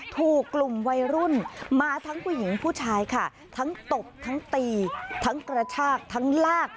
ถูกกลุ่มวัยรุ่นมาทั้งผู้หญิงผู้ชายค่ะทั้งตบทั้งตีทั้งกระชากทั้งลาก